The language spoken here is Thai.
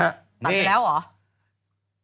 ตัดไปแล้วเหรอ